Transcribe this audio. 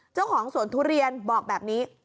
เจ้าของสวนทุเรียนบอกแบบนี้